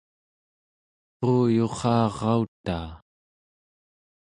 quuyurrarautaa